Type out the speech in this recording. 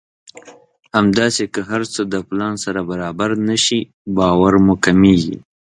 همداسې که هر څه د پلان سره برابر نه شي باور مو کمېږي.